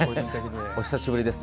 お久しぶりです。